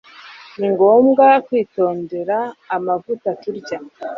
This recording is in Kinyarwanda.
Ni ngomwa kwitondera amavuta turya